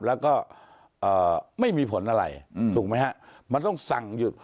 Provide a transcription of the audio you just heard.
แล้วก็ไม่มีผลอะไรถูกไหมฮะมันต้องสั่งหยุด